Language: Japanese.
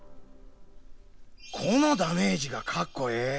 このダメージがかっこええ。